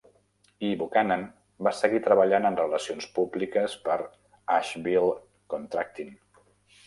I Buchanan va seguir treballant en relacions públiques per Asheville Contracting.